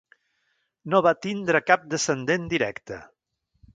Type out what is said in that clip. No va tindre cap descendent directe.